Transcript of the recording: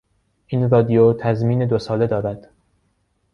این رادیو تضمین دو ساله دارد.